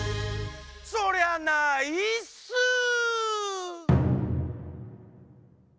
そりゃないっすー！